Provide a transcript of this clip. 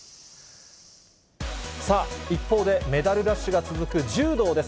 さあ、一方でメダルラッシュが続く柔道です。